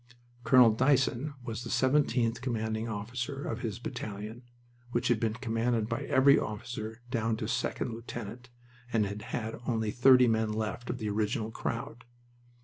Colonel Dyson was the seventeenth commanding officer of his battalion, which had been commanded by every officer down to second lieutenant, and had only thirty men left of the original crowd.